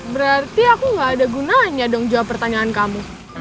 berarti aku gak ada gunanya dong jawab pertanyaan kamu